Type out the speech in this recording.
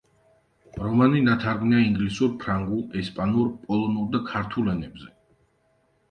რომანი ნათარგმნია ინგლისურ, ფრანგულ, ესპანურ, პოლონურ და ქართულ ენებზე.